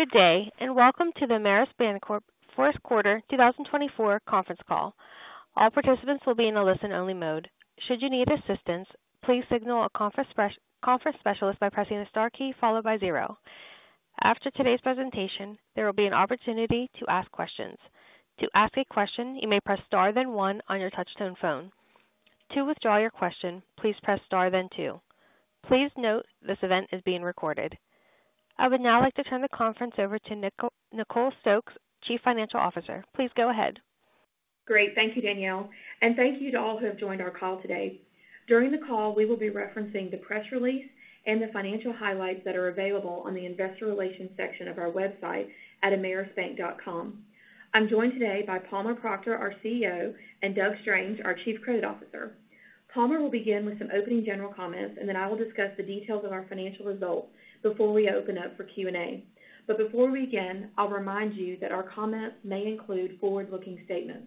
Good day, and welcome to the Ameris Bancorp fourth quarter 2024 conference call. All participants will be in a listen-only mode. Should you need assistance, please signal a conference specialist by pressing the star key followed by zero. After today's presentation, there will be an opportunity to ask questions. To ask a question, you may press Star then one on your touchtone phone. To withdraw your question, please press Star then two. Please note, this event is being recorded. I would now like to turn the conference over to Nicole Stokes, Chief Financial Officer. Please go ahead. Great. Thank you, Danielle, and thank you to all who have joined our call today. During the call, we will be referencing the press release and the financial highlights that are available on the Investor Relations section of our website at amerisbank.com. I'm joined today by Palmer Proctor, our CEO, and Doug Strange, our Chief Credit Officer. Palmer will begin with some opening general comments, and then I will discuss the details of our financial results before we open up for Q&A. But before we begin, I'll remind you that our comments may include forward-looking statements.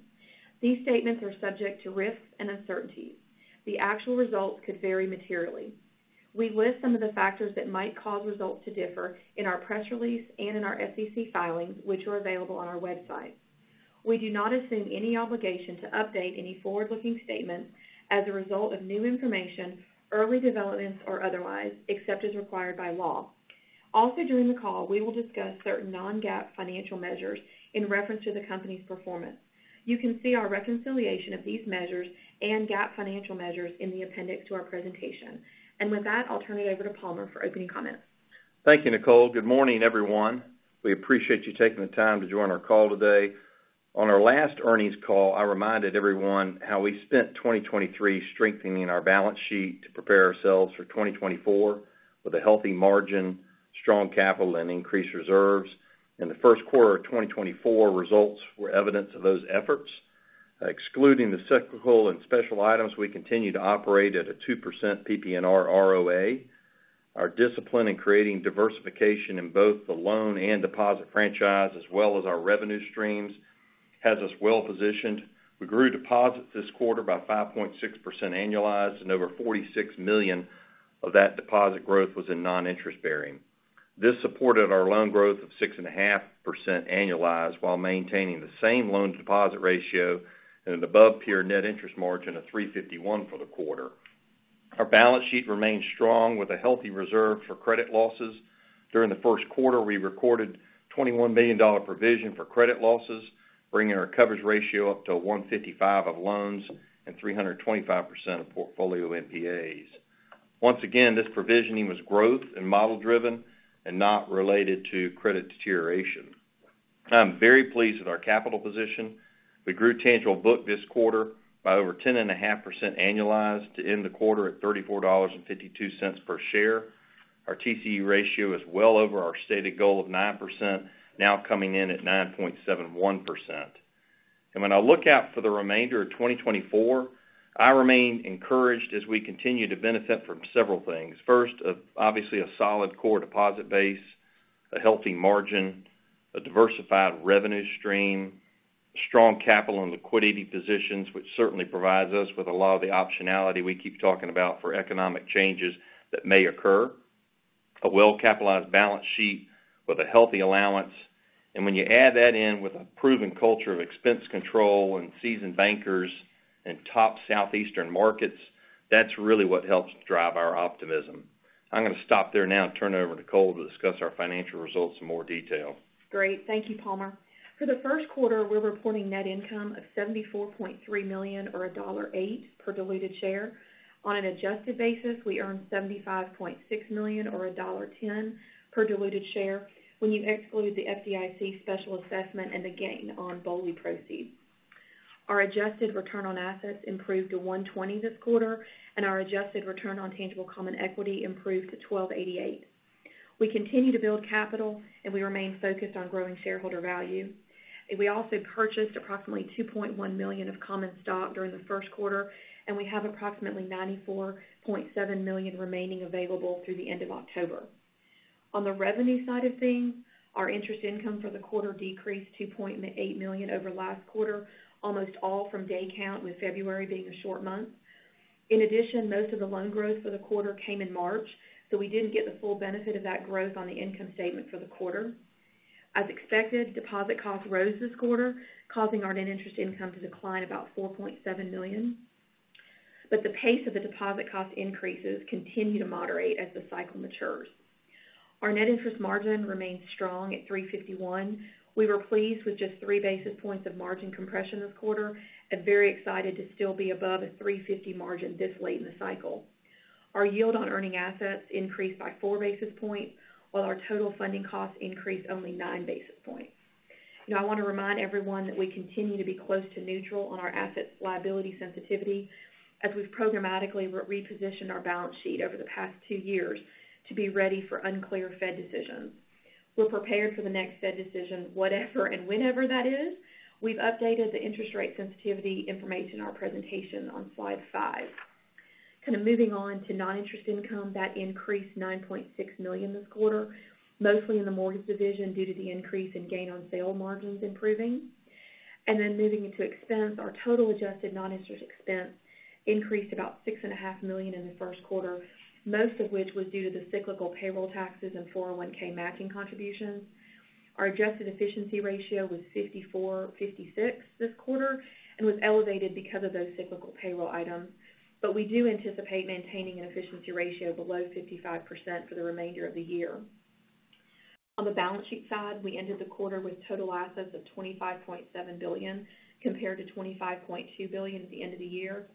These statements are subject to risks and uncertainties. The actual results could vary materially. We list some of the factors that might cause results to differ in our press release and in our SEC filings, which are available on our website. We do not assume any obligation to update any forward-looking statements as a result of new information, early developments, or otherwise, except as required by law. Also, during the call, we will discuss certain non-GAAP financial measures in reference to the company's performance. You can see our reconciliation of these measures and GAAP financial measures in the appendix to our presentation. With that, I'll turn it over to Palmer for opening comments. Thank you, Nicole. Good morning, everyone. We appreciate you taking the time to join our call today. On our last earnings call, I reminded everyone how we spent 2023 strengthening our balance sheet to prepare ourselves for 2024 with a healthy margin, strong capital, and increased reserves. In the first quarter of 2024, results were evidence of those efforts. Excluding the cyclical and special items, we continue to operate at a 2% PPNR ROA. Our discipline in creating diversification in both the loan and deposit franchise, as well as our revenue streams, has us well-positioned. We grew deposits this quarter by 5.6% annualized, and over $46 million of that deposit growth was in non-interest bearing. This supported our loan growth of 6.5% annualized, while maintaining the same loan-to-deposit ratio and an above-peer net interest margin of 3.51 for the quarter. Our balance sheet remains strong with a healthy reserve for credit losses. During the first quarter, we recorded $21 million provision for credit losses, bringing our coverage ratio up to 1.55 of loans and 325% of portfolio NPAs. Once again, this provisioning was growth and model-driven and not related to credit deterioration. I'm very pleased with our capital position. We grew tangible book this quarter by over 10.5% annualized to end the quarter at $34.52 per share. Our TCE ratio is well over our stated goal of 9%, now coming in at 9.71%. And when I look out for the remainder of 2024, I remain encouraged as we continue to benefit from several things. First, obviously, a solid core deposit base, a healthy margin, a diversified revenue stream, strong capital and liquidity positions, which certainly provides us with a lot of the optionality we keep talking about for economic changes that may occur, a well-capitalized balance sheet with a healthy allowance. And when you add that in with a proven culture of expense control and seasoned bankers in top Southeastern markets, that's really what helps drive our optimism. I'm going to stop there now and turn it over to Nicole to discuss our financial results in more detail. Great. Thank you, Palmer. For the first quarter, we're reporting net income of $74.3 million or $1.08 per diluted share. On an adjusted basis, we earned $75.6 million or $1.10 per diluted share when you exclude the FDIC special assessment and the gain on BOLI proceeds. Our adjusted return on assets improved to 1.20% this quarter, and our adjusted return on tangible common equity improved to 12.88%. We continue to build capital, and we remain focused on growing shareholder value. And we also purchased approximately 2.1 million of common stock during the first quarter, and we have approximately $94.7 million remaining available through the end of October. On the revenue side of things, our interest income for the quarter decreased by $0.8 million over last quarter, almost all from day count, with February being a short month. In addition, most of the loan growth for the quarter came in March, so we didn't get the full benefit of that growth on the income statement for the quarter. As expected, deposit costs rose this quarter, causing our net interest income to decline about $4.7 million. But the pace of the deposit cost increases continue to moderate as the cycle matures. Our net interest margin remains strong at 3.51%. We were pleased with just three basis points of margin compression this quarter and very excited to still be above a 3.50% margin this late in the cycle. Our yield on earning assets increased by 4 basis points, while our total funding costs increased only 9 basis points. Now, I want to remind everyone that we continue to be close to neutral on our asset-liability sensitivity, as we've programmatically repositioned our balance sheet over the past two years to be ready for unclear Fed decisions. We're prepared for the next Fed decision, whatever and whenever that is. We've updated the interest rate sensitivity information in our presentation on Slide five. Kind of moving on to non-interest income, that increased $9.6 million this quarter, mostly in the mortgage division, due to the increase in gain on sale margins improving. Then, moving into expense, our total adjusted non-interest expense increased about $6.5 million in the first quarter, most of which was due to the cyclical payroll taxes and 401(k) matching contributions. Our adjusted efficiency ratio was 54.56% this quarter and was elevated because of those cyclical payroll items. But we do anticipate maintaining an efficiency ratio below 55% for the remainder of the year. On the balance sheet side, we ended the quarter with total assets of $25.7 billion, compared to $25.2 billion at the end of the year.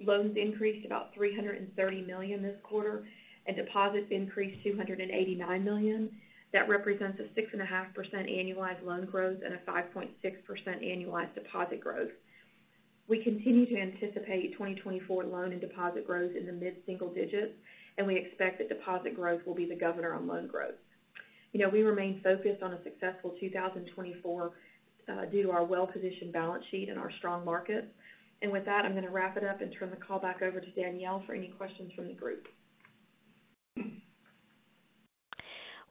Loans increased about $330 million this quarter, and deposits increased $289 million. That represents a 6.5% annualized loan growth and a 5.6% annualized deposit growth. We continue to anticipate 2024 loan and deposit growth in the mid-single digits, and we expect that deposit growth will be the governor on loan growth. You know, we remain focused on a successful 2024 due to our well-positioned balance sheet and our strong market. And with that, I'm going to wrap it up and turn the call back over to Danielle for any questions from the group.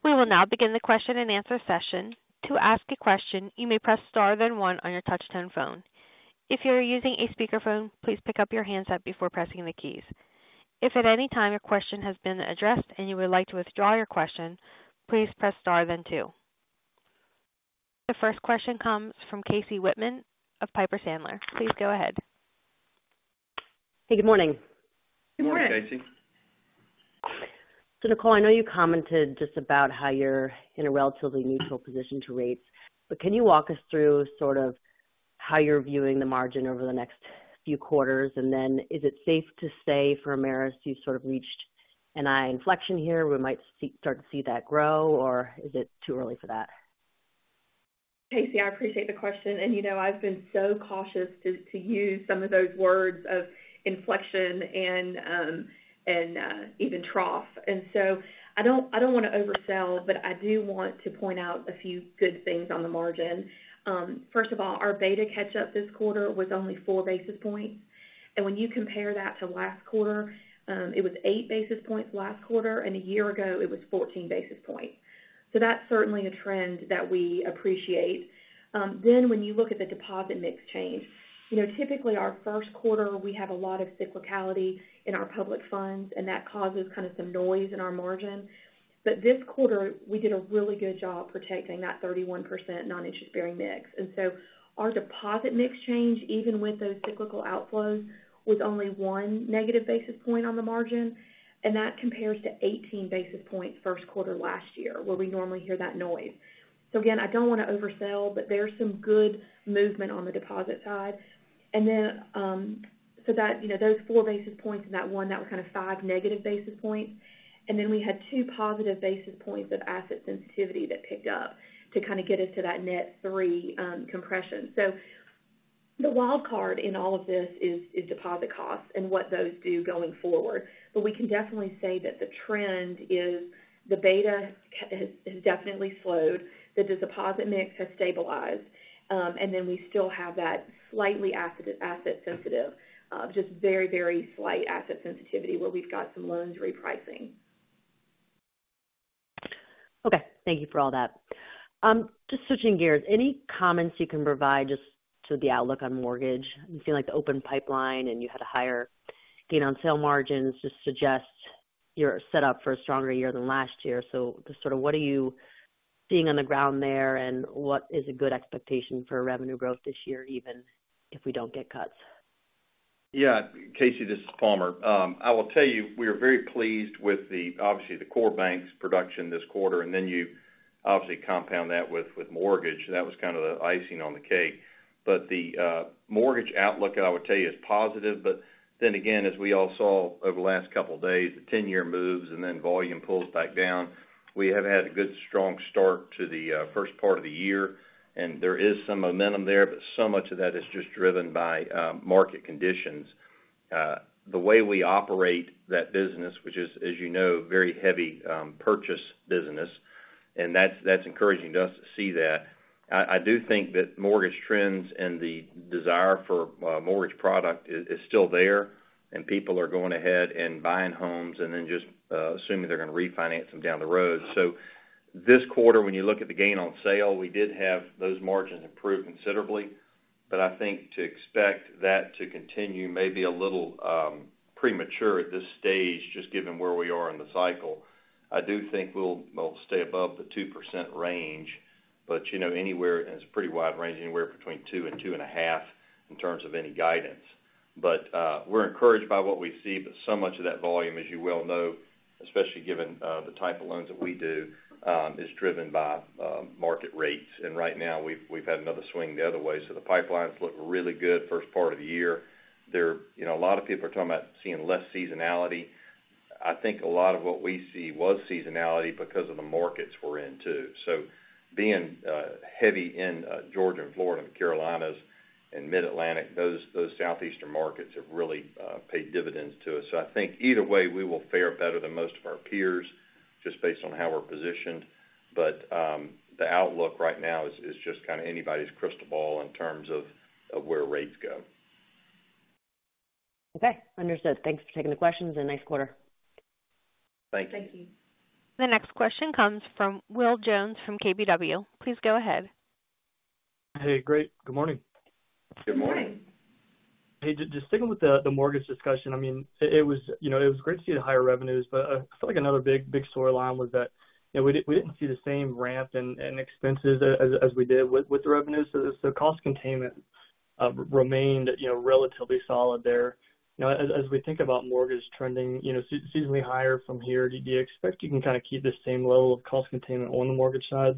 We will now begin the question and answer session. To ask a question, you may press Star, then one on your touchtone phone. If you are using a speakerphone, please pick up your handset before pressing the keys. If at any time your question has been addressed and you would like to withdraw your question, please press Star then two. The first question comes from Casey Whitman of Piper Sandler. Please go ahead. Hey, good morning. Good morning. Good morning, Casey. So, Nicole, I know you commented just about how you're in a relatively neutral position to rates, but can you walk us through sort of how you're viewing the margin over the next few quarters? And then is it safe to say for Ameris, you've sort of reached an inflection here, we might start to see that grow, or is it too early for that? Casey, I appreciate the question. You know, I've been so cautious to use some of those words of inflection and even trough. So I don't want to oversell, but I do want to point out a few good things on the margin. First of all, our beta catch-up this quarter was only 4 basis points. When you compare that to last quarter, it was 8 basis points last quarter, and a year ago, it was 14 basis points. That's certainly a trend that we appreciate. Then when you look at the deposit mix change, you know, typically our first quarter, we have a lot of cyclicality in our public funds, and that causes kind of some noise in our margin. But this quarter, we did a really good job protecting that 31% non-interest-bearing mix. And so our deposit mix change, even with those cyclical outflows, was only 1 negative basis point on the margin, and that compares to 18 basis points first quarter last year, where we normally hear that noise. So again, I don't want to oversell, but there's some good movement on the deposit side. And then, so that, you know, those 4 basis points and that 1, that was kind of 5 negative basis points. And then we had 2 positive basis points of asset sensitivity that picked up to kind of get us to that net 3 compression. So the wild card in all of this is deposit costs and what those do going forward. But we can definitely say that the trend is the beta has definitely slowed, that the deposit mix has stabilized, and then we still have that slightly asset sensitive, just very, very slight asset sensitivity where we've got some loans repricing. Okay, thank you for all that. Just switching gears, any comments you can provide just to the outlook on mortgage? It seemed like the open pipeline and you had a higher gain on sale margins just suggests you're set up for a stronger year than last year. So just sort of what are you seeing on the ground there, and what is a good expectation for revenue growth this year, even if we don't get cuts? Yeah, Casey, this is Palmer. I will tell you, we are very pleased with the, obviously, the core banks production this quarter, and then you obviously compound that with mortgage, and that was kind of the icing on the cake. But the mortgage outlook, I would tell you, is positive. But then again, as we all saw over the last couple of days, the ten-year moves and then volume pulls back down. We have had a good, strong start to the first part of the year, and there is some momentum there, but so much of that is just driven by market conditions. The way we operate that business, which is, as you know, very heavy purchase business, and that's encouraging to us to see that. I, I do think that mortgage trends and the desire for mortgage product is still there, and people are going ahead and buying homes and then just assuming they're going to refinance them down the road. So this quarter, when you look at the gain on sale, we did have those margins improve considerably, but I think to expect that to continue may be a little premature at this stage, just given where we are in the cycle. I do think we'll stay above the 2% range, but you know, anywhere, and it's a pretty wide range, anywhere between 2% and 2.5% in terms of any guidance. But, we're encouraged by what we see, but so much of that volume, as you well know, especially given, the type of loans that we do, is driven by, market rates. And right now, we've had another swing the other way. So the pipelines look really good first part of the year. There, you know, a lot of people are talking about seeing less seasonality. I think a lot of what we see was seasonality because of the markets we're in, too. So being, heavy in, Georgia and Florida, and the Carolinas and Mid-Atlantic, those Southeastern markets have really, paid dividends to us. So I think either way, we will fare better than most of our peers just based on how we're positioned. The outlook right now is just kind of anybody's crystal ball in terms of where rates go.... Okay, understood. Thanks for taking the questions, and nice quarter. Great. Thank you. The next question comes from Will Jones from KBW. Please go ahead. Hey, great. Good morning. Good morning. Hey, just sticking with the mortgage discussion. I mean, it was great to see the higher revenues, but I feel like another big storyline was that we didn't see the same ramp in expenses as we did with the revenues. So the cost containment remained relatively solid there. You know, as we think about mortgage trending seasonally higher from here, do you expect you can kind of keep the same level of cost containment on the mortgage side?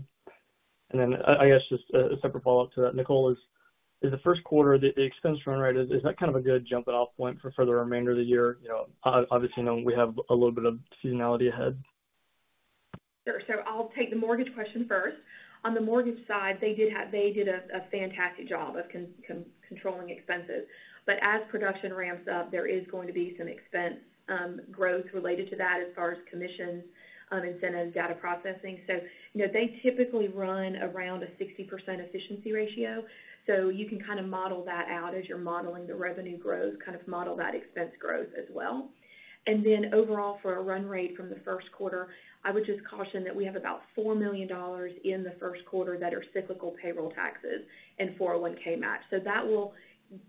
And then, I guess, just a separate follow-up to that, Nicole, is the first quarter the expense run rate a good jumping off point for the remainder of the year? You know, obviously, knowing we have a little bit of seasonality ahead. Sure. So I'll take the mortgage question first. On the mortgage side, they did a fantastic job of controlling expenses. But as production ramps up, there is going to be some expense growth related to that as far as commissions, incentives, data processing. So, you know, they typically run around a 60% efficiency ratio. So you can kind of model that out as you're modeling the revenue growth, kind of model that expense growth as well. And then overall, for a run rate from the first quarter, I would just caution that we have about $4 million in the first quarter that are cyclical payroll taxes and 401(k) match. So that will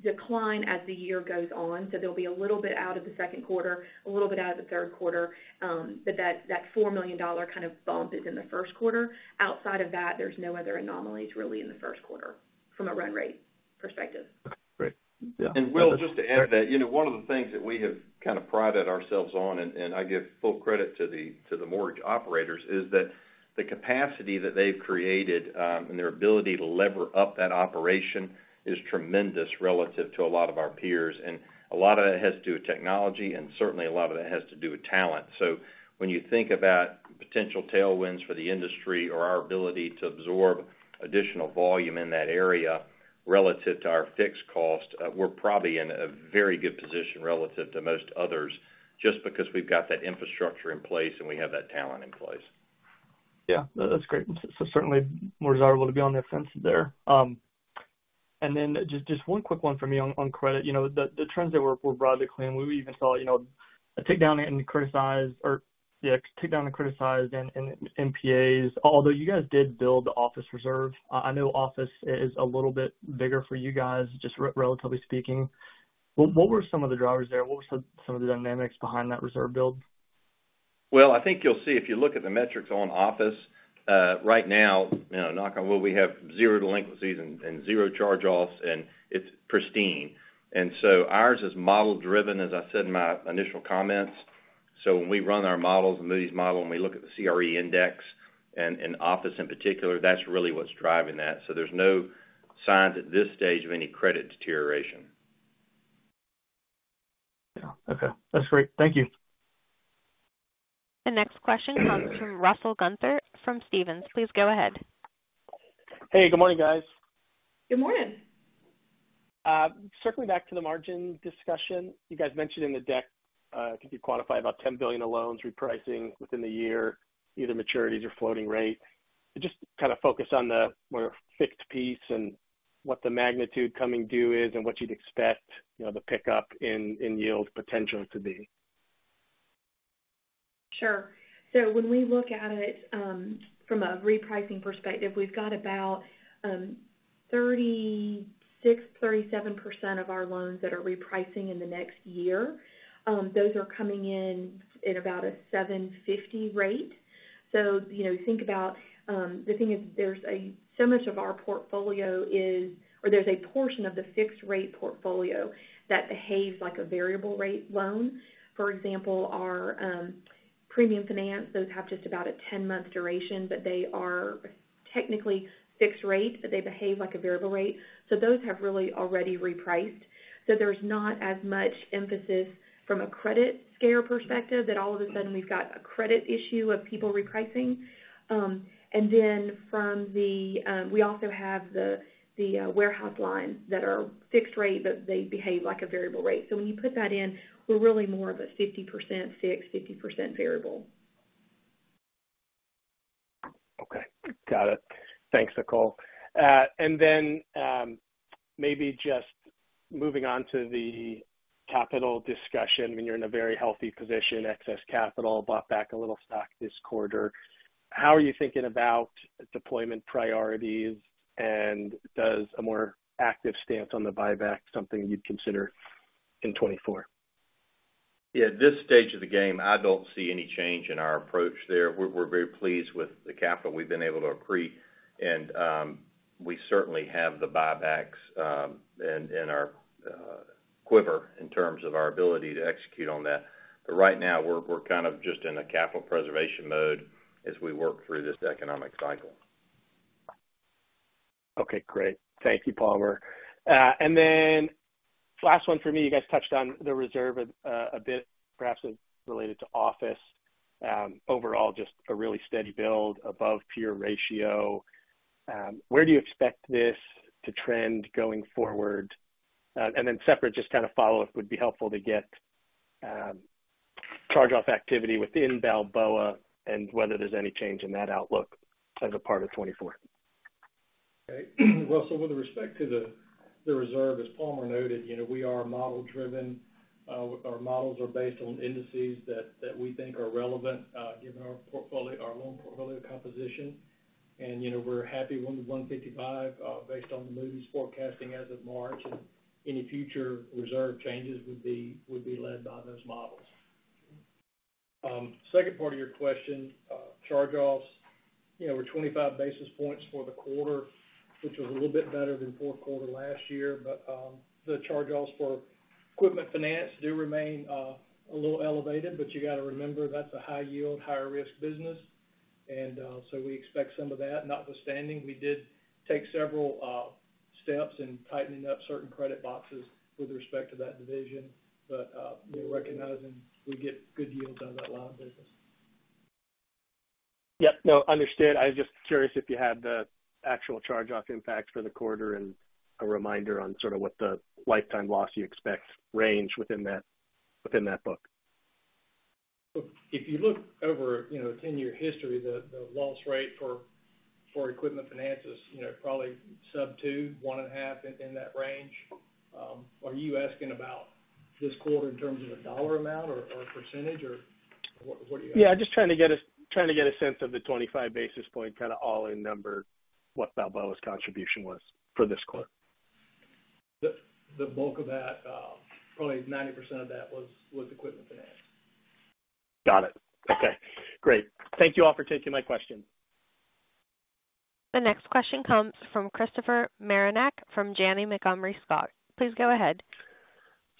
decline as the year goes on. So there'll be a little bit out of the second quarter, a little bit out of the third quarter, but that, that $4 million kind of bump is in the first quarter. Outside of that, there's no other anomalies really in the first quarter from a run rate perspective. Great. Yeah. Will, just to add to that, you know, one of the things that we have kind of prided ourselves on, and I give full credit to the mortgage operators, is that the capacity that they've created, and their ability to lever up that operation is tremendous relative to a lot of our peers. A lot of that has to do with technology, and certainly a lot of that has to do with talent. So when you think about potential tailwinds for the industry or our ability to absorb additional volume in that area relative to our fixed cost, we're probably in a very good position relative to most others, just because we've got that infrastructure in place and we have that talent in place. Yeah, that's great. So certainly more desirable to be on the offensive there. And then just one quick one for me on, on credit. You know, the trends that were broadly clean, we even saw, you know, a takedown and criticized or... yeah, takedown and criticized in, in NPAs, although you guys did build the office reserve. I know office is a little bit bigger for you guys, just relatively speaking. What were some of the drivers there? What were some of the dynamics behind that reserve build? Well, I think you'll see, if you look at the metrics on office right now, you know, knock on wood, we have zero delinquencies and, and zero charge-offs, and it's pristine. And so ours is model-driven, as I said in my initial comments. So when we run our models, Moody's model, and we look at the CRE index and, and office in particular, that's really what's driving that. So there's no signs at this stage of any credit deterioration. Yeah. Okay, that's great. Thank you. The next question comes from Russell Gunther from Stephens. Please go ahead. Hey, good morning, guys. Good morning. Circling back to the margin discussion, you guys mentioned in the deck, could you quantify about $10 billion of loans repricing within the year, either maturities or floating rate? Just kind of focus on the more fixed piece and what the magnitude coming due is and what you'd expect, you know, the pickup in yield potential to be. Sure. So when we look at it from a repricing perspective, we've got about 36%-37% of our loans that are repricing in the next year. Those are coming in at about a 7.50 rate. So, you know, think about the thing is, there's a portion of the fixed rate portfolio that behaves like a variable rate loan. For example, our premium finance, those have just about a 10-month duration, but they are technically fixed rate, but they behave like a variable rate. So those have really already repriced. So there's not as much emphasis from a credit scare perspective, that all of a sudden we've got a credit issue of people repricing. And then from the... We also have the warehouse lines that are fixed rate, but they behave like a variable rate. So when you put that in, we're really more of a 50% fixed, 50% variable. Okay. Got it. Thanks, Nicole. And then, maybe just moving on to the capital discussion. I mean, you're in a very healthy position, excess capital, bought back a little stock this quarter. How are you thinking about deployment priorities, and does a more active stance on the buyback something you'd consider in 2024? Yeah, at this stage of the game, I don't see any change in our approach there. We're very pleased with the capital we've been able to accrete, and we certainly have the buybacks in our quiver in terms of our ability to execute on that. But right now, we're kind of just in a capital preservation mode as we work through this economic cycle. Okay, great. Thank you, Palmer. And then last one for me. You guys touched on the reserve, a bit, perhaps related to office. Overall, just a really steady build above peer ratio. Where do you expect this to trend going forward? And then separate, just kind of follow-up, would be helpful to get, charge-off activity within Balboa and whether there's any change in that outlook as a part of 2024.... Okay. Well, so with respect to the reserve, as Palmer noted, you know, we are model-driven. Our models are based on indices that we think are relevant, given our portfolio, our loan portfolio composition. And, you know, we're happy with 155, based on the Moody's forecasting as of March, and any future reserve changes would be led by those models. Second part of your question, charge-offs. You know, we're 25 basis points for the quarter, which is a little bit better than fourth quarter last year. But, the charge-offs for equipment finance do remain a little elevated, but you gotta remember, that's a high yield, higher risk business. And, so we expect some of that. Notwithstanding, we did take several steps in tightening up certain credit boxes with respect to that division. But, we're recognizing we get good yields out of that line of business. Yep, no, understood. I was just curious if you had the actual charge-off impact for the quarter and a reminder on sort of what the lifetime loss you expect range within that, within that book? Look, if you look over, you know, it's in your history, the loss rate for equipment financing, you know, probably sub-two, one point five in that range. Are you asking about this quarter in terms of a dollar amount or percentage, or what do you- Yeah, just trying to get a sense of the 25 basis point, kind of all-in number, what Balboa's contribution was for this quarter. The bulk of that, probably 90% of that was equipment finance. Got it. Okay, great. Thank you all for taking my question. The next question comes from Christopher Marinac from Janney Montgomery Scott. Please go ahead.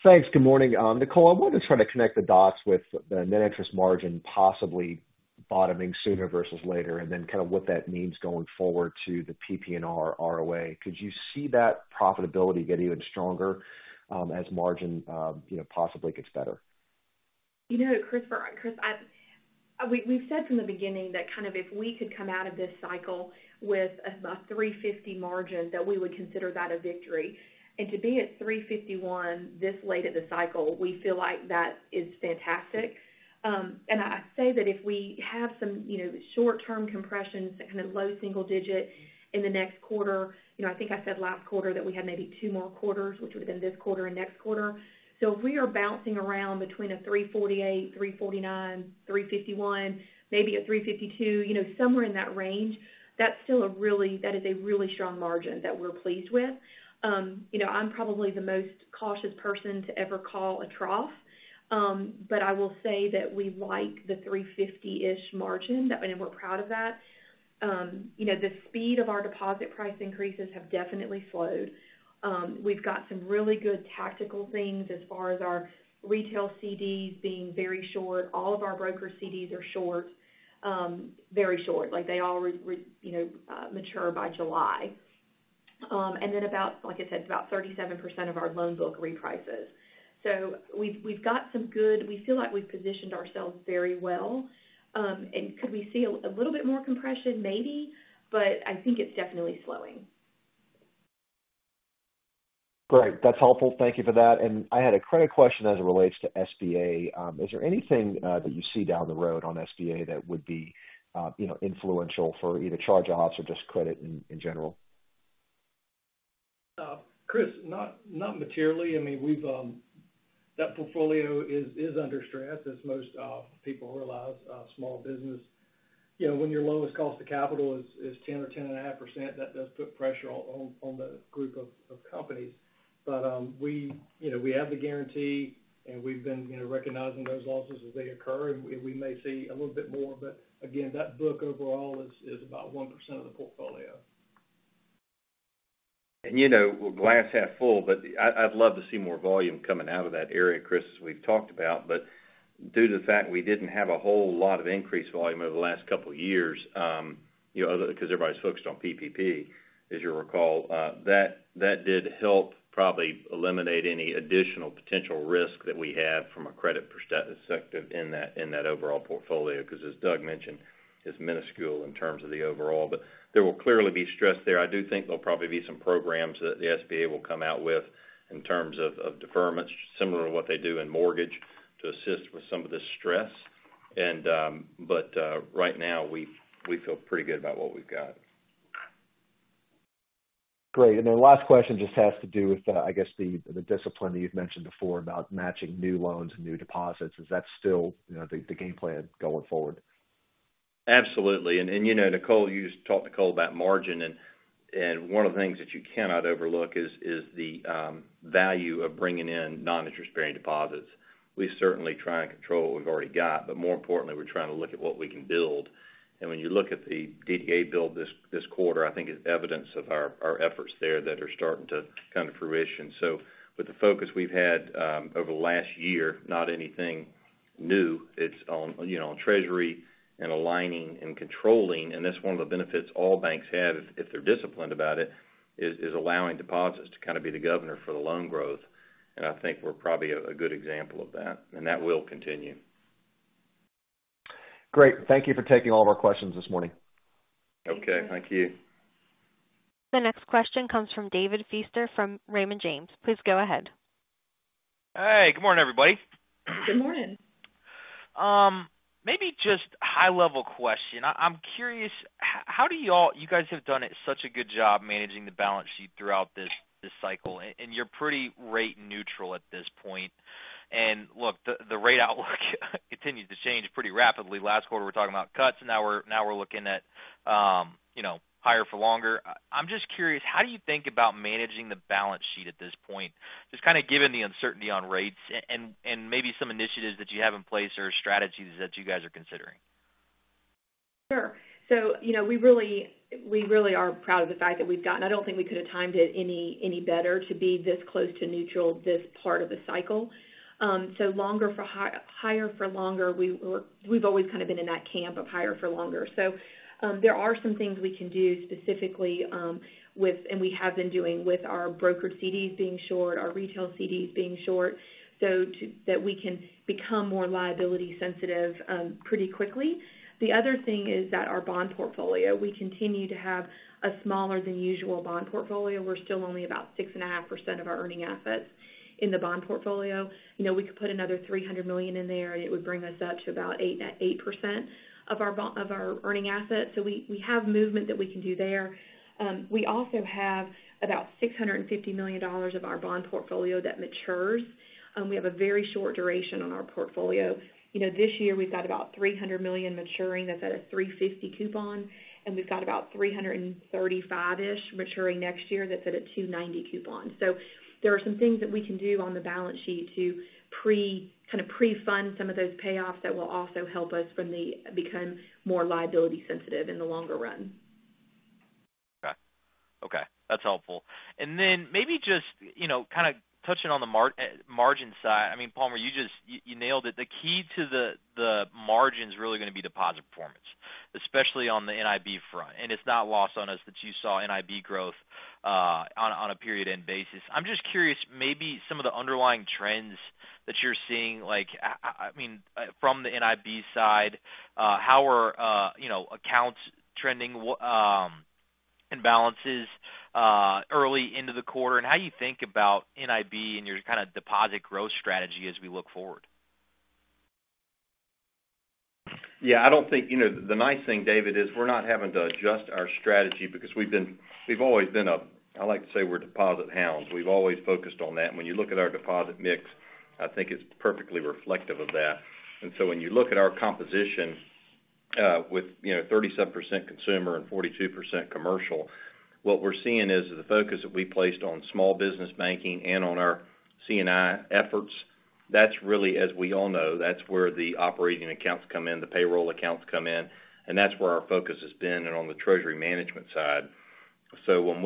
Thanks. Good morning. Nicole, I'm wondering, trying to connect the dots with the Net Interest Margin possibly bottoming sooner versus later, and then kind of what that means going forward to the PPNR ROA. Could you see that profitability get even stronger, as margin, you know, possibly gets better? You know, Christopher, Chris, we, we've said from the beginning that kind of if we could come out of this cycle with a 3.50 margin, that we would consider that a victory. And to be at 3.51 this late in the cycle, we feel like that is fantastic. And I say that if we have some, you know, short-term compressions at kind of low single digit in the next quarter, you know, I think I said last quarter that we had maybe two more quarters, which would have been this quarter and next quarter. So if we are bouncing around between a 3.48, 3.49, 3.51, maybe a 3.52, you know, somewhere in that range, that's still a really—that is a really strong margin that we're pleased with. You know, I'm probably the most cautious person to ever call a trough. But I will say that we like the 3.50-ish margin, that and we're proud of that. You know, the speed of our deposit price increases have definitely slowed. We've got some really good tactical things as far as our retail CDs being very short. All of our broker CDs are short, very short, like, they all re- you know, mature by July. And then, like I said, it's about 37% of our loan book reprices. So we've got some good, we feel like we've positioned ourselves very well. And could we see a little bit more compression? Maybe, but I think it's definitely slowing. Great. That's helpful. Thank you for that. I had a credit question as it relates to SBA. Is there anything that you see down the road on SBA that would be, you know, influential for either charge-offs or just credit in general? Chris, not materially. I mean, we've. That portfolio is under stress, as most people realize, small business. You know, when your lowest cost to capital is 10% or 10.5%, that does put pressure on the group of companies. But, we, you know, we have the guarantee, and we've been, you know, recognizing those losses as they occur, and we may see a little bit more, but again, that book overall is about 1% of the portfolio. You know, well, glass half full, but I'd love to see more volume coming out of that area, Chris, as we've talked about. But due to the fact we didn't have a whole lot of increased volume over the last couple of years, you know, because everybody's focused on PPP, as you'll recall, that did help probably eliminate any additional potential risk that we had from a credit perspective in that overall portfolio, because as Doug mentioned, it's minuscule in terms of the overall. But there will clearly be stress there. I do think there'll probably be some programs that the SBA will come out with in terms of deferments, similar to what they do in mortgage, to assist with some of the stress. But right now, we feel pretty good about what we've got. Great. Then last question just has to do with, I guess, the discipline that you've mentioned before about matching new loans and new deposits. Is that still, you know, the game plan going forward? Absolutely. And you know, Nicole, you just talked, Nicole, about margin, and one of the things that you cannot overlook is the value of bringing in non-interest-bearing deposits. We certainly try and control what we've already got, but more importantly, we're trying to look at what we can build. And when you look at the DDA build this quarter, I think it's evidence of our efforts there that are starting to come to fruition. So with the focus we've had over the last year, not anything new, it's on you know, on treasury and aligning and controlling, and that's one of the benefits all banks have if they're disciplined about it, is allowing deposits to kind of be the governor for the loan growth. And I think we're probably a good example of that, and that will continue. Great. Thank you for taking all of our questions this morning. Okay. Thank you. The next question comes from David Feaster from Raymond James. Please go ahead. Hey, good morning, everybody. Good morning. Maybe just high-level question. I'm curious, how do you guys have done such a good job managing the balance sheet throughout this cycle, and you're pretty rate neutral at this point. Look, the rate outlook continues to change pretty rapidly. Last quarter, we were talking about cuts, and now we're looking at, you know, higher for longer. I'm just curious, how do you think about managing the balance sheet at this point? Just kinda given the uncertainty on rates and maybe some initiatives that you have in place or strategies that you guys are considering. Sure. So, you know, we really, we really are proud of the fact that we've gotten. I don't think we could have timed it any better to be this close to neutral this part of the cycle. So longer for higher for longer, we've always kind of been in that camp of higher for longer. So, there are some things we can do specifically with. And we have been doing with our brokered CDs being short, our retail CDs being short, so that we can become more liability sensitive pretty quickly. The other thing is that our bond portfolio, we continue to have a smaller than usual bond portfolio. We're still only about 6.5% of our earning assets in the bond portfolio. You know, we could put another $300 million in there, and it would bring us up to about 8, 9-- 8% of our earning assets. So we, we have movement that we can do there. We also have about $650 million of our bond portfolio that matures, we have a very short duration on our portfolio. You know, this year, we've got about $300 million maturing, that's at a 3.50 coupon, and we've got about 335-ish maturing next year. That's at a 2.90 coupon. So there are some things that we can do on the balance sheet to kinda pre-fund some of those payoffs that will also help us become more liability sensitive in the longer run. Okay. Okay, that's helpful. And then maybe just, you know, kinda touching on the margin side. I mean, Palmer, you just you nailed it. The key to the margin's really gonna be deposit performance, especially on the NIB front, and it's not lost on us that you saw NIB growth on a period-end basis. I'm just curious, maybe some of the underlying trends that you're seeing, like, I mean, from the NIB side, how are you know, accounts trending, and balances early into the quarter? And how you think about NIB and your kind of deposit growth strategy as we look forward? Yeah, I don't think... You know, the nice thing, David, is we're not having to adjust our strategy because we've always been a, I like to say we're deposit hounds. We've always focused on that. When you look at our deposit mix, I think it's perfectly reflective of that. And so when you look at our composition, with, you know, 37% consumer and 42 commercial, what we're seeing is the focus that we placed on small business banking and on our C&I efforts. That's really, as we all know, that's where the operating accounts come in, the payroll accounts come in, and that's where our focus has been and on the treasury management side. So when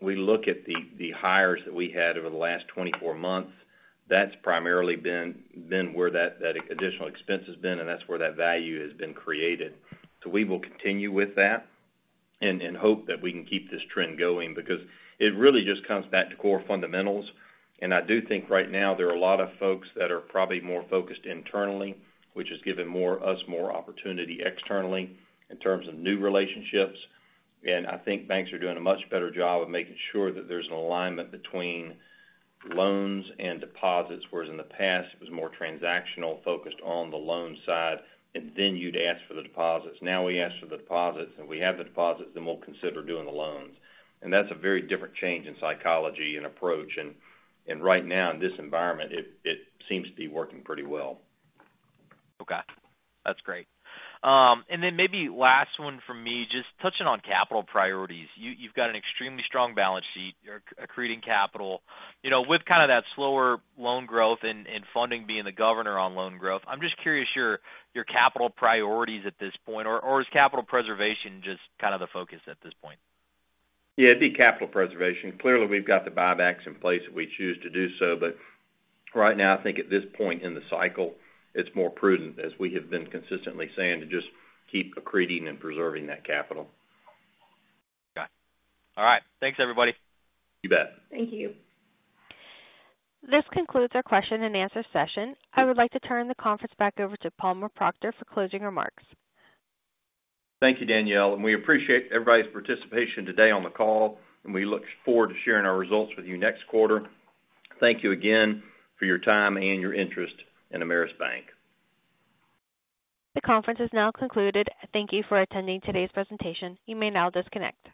we look at the hires that we had over the last 24 months, that's primarily been where that additional expense has been, and that's where that value has been created. So we will continue with that and hope that we can keep this trend going because it really just comes back to core fundamentals. I do think right now there are a lot of folks that are probably more focused internally, which has given us more opportunity externally in terms of new relationships. And I think banks are doing a much better job of making sure that there's an alignment between loans and deposits, whereas in the past, it was more transactional, focused on the loan side, and then you'd ask for the deposits. Now, we ask for the deposits, and if we have the deposits, then we'll consider doing the loans. And that's a very different change in psychology and approach. And right now, in this environment, it seems to be working pretty well. Okay. That's great. And then maybe last one for me, just touching on capital priorities. You, you've got an extremely strong balance sheet. You're accreting capital. You know, with kind of that slower loan growth and funding being the governor on loan growth, I'm just curious your capital priorities at this point, or is capital preservation just kind of the focus at this point? Yeah, it'd be capital preservation. Clearly, we've got the buybacks in place if we choose to do so, but right now, I think at this point in the cycle, it's more prudent, as we have been consistently saying, to just keep accreting and preserving that capital. Got it. All right, thanks, everybody. You bet. Thank you. This concludes our question and answer session. I would like to turn the conference back over to Palmer Proctor for closing remarks. Thank you, Danielle, and we appreciate everybody's participation today on the call, and we look forward to sharing our results with you next quarter. Thank you again for your time and your interest in Ameris Bank. The conference is now concluded. Thank you for attending today's presentation. You may now disconnect.